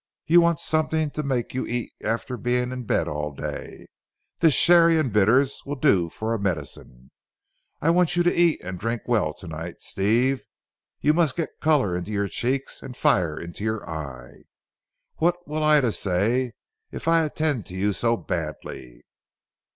"You want something to make you eat after being in bed all day. This sherry and bitters will do for a medicine. I want you to eat and drink well to night Steve. You must get colour into your cheek and fire into your eye. What will Ida say if I attend to you so badly?"